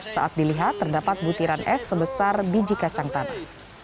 saat dilihat terdapat butiran es sebesar biji kacang tanah